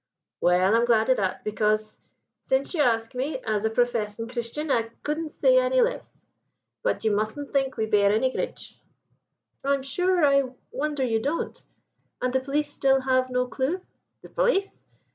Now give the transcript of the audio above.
"'Well, I'm glad o' that, because, since you ask me, as a professing Christian, I cudn' say any less. But you musn' think we bear any gridge.' "'I'm sure I wonder you don't. And the police still have no clue?' "'The police?